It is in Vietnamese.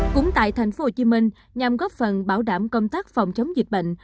cũng tại tp hcm nhằm góp phần bảo đảm công tác phòng chống dịch bệnh